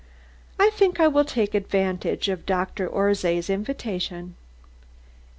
I think I will take advantage of Dr. Orszay's invitation."